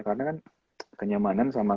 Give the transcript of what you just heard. karena kan kenyamanan sama